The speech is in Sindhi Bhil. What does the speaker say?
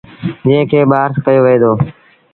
جݩهݩ کي ٻآرس ڪهيو وهي دو